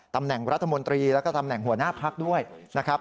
ตำแหน่งรัฐมนตรีแล้วก็ตำแหน่งหัวหน้าพักด้วยนะครับ